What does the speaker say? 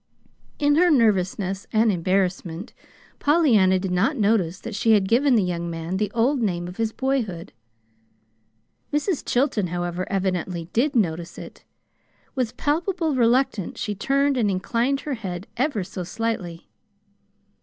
In her nervousness and embarrassment Pollyanna did not notice that she had given the young man the old name of his boyhood. Mrs. Chilton, however, evidently did notice it. With palpable reluctance she turned and inclined her head ever so slightly.